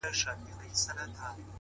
زه نه كړم گيله اشــــــــــــنا.